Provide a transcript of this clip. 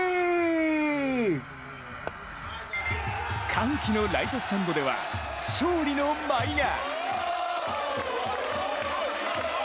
歓喜のライトスタンドでは勝利の舞が！